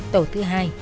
tổ thứ hai